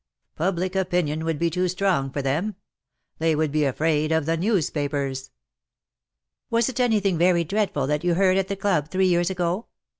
Public opinion would be too strong for them. They would be afraid of the news papers.^^ ^* Was it anything very dreadful that you heard at the clubs three years ago?"